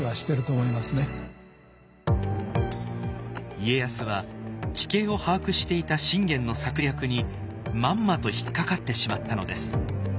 家康は地形を把握していた信玄の策略にまんまと引っ掛かってしまったのです。